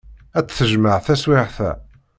Ad t-tejmeɛ taswiɛt-a.